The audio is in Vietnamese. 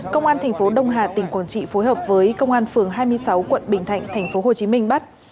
công an thành phố đông hà tỉnh quảng trị phối hợp với công an phường hai mươi sáu quận bình thạnh tp hcm bắt